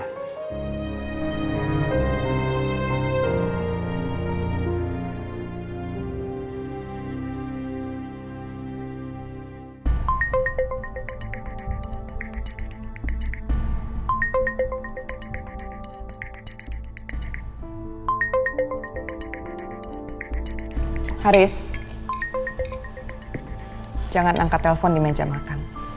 haris jangan angkat telpon di meja makan